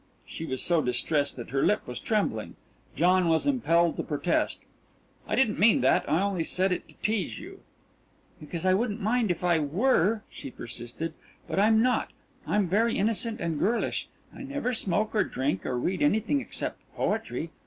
She was so distressed that her lip was trembling. John was impelled to protest: "I didn't mean that; I only said it to tease you." "Because I wouldn't mind if I were," she persisted, "but I'm not. I'm very innocent and girlish. I never smoke, or drink, or read anything except poetry.